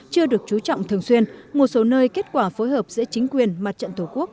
chưa được chú trọng thường xuyên một số nơi kết quả phối hợp giữa chính quyền mặt trận tổ quốc